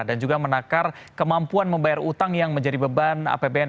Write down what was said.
dan juga menakar kemampuan membayar utang yang menjadi beban apbn